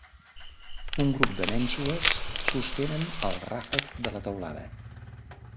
Un grup de mènsules sostenen el ràfec de la teulada.